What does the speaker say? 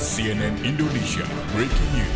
cnn indonesia breaking news